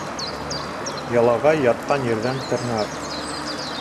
Ялағай ятҡан ерҙән тырнар.